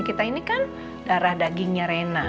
kita ini kan darah dagingnya rena